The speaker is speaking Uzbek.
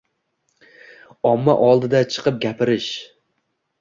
Omma oldida chiqib gapirish.